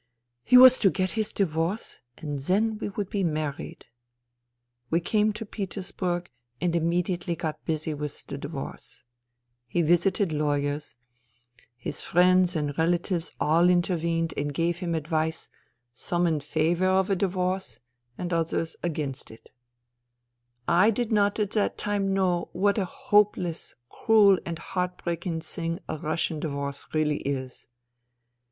He was to get his divorce and then we would be married. " We came to Petersburg and immediately got busy with the divorce. He visited lawyers. His friends and relatives all intervened and gave him THE THREE SISTERS 29 advice, some in favour of a divorce and others against it. I did not at that time know what a hopeless, cruel and heartbreaking thing a Russian divorce really is.